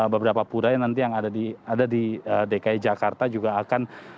beberapa pura yang nanti yang ada di dki jakarta juga akan